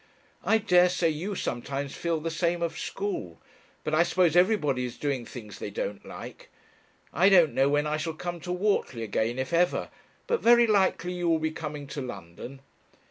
I daresay you sometimes feel the same of school. But I suppose everybody is doing things they don't like. I don't know when I shall come to Whortley again, if ever, but very likely you will be coming to London. Mrs.